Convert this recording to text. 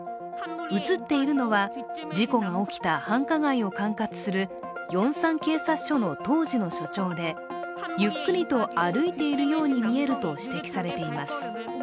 映っているのは、事故が起きた繁華街を管轄するヨンサン警察署の当時の署長でゆっくりと歩いているように見えると指摘されています。